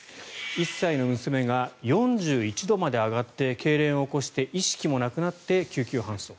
１歳の娘が４１度まで上がってけいれんを起こして意識もなくなって救急搬送。